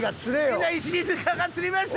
みんな石塚が釣りました！